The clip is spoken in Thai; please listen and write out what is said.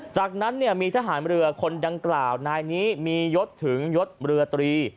จากนั้นมีทหารเรือคนดังกล่าวนายนี้มียศถึงยศเรือตรี